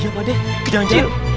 iya pak deh jangan jauh